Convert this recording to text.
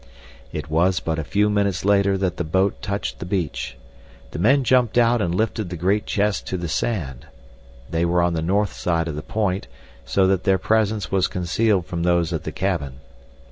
It was but a few minutes later that the boat touched the beach. The men jumped out and lifted the great chest to the sand. They were on the north side of the point so that their presence was concealed from those at the cabin.